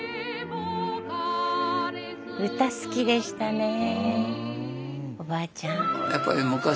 歌好きでしたねおばあちゃん。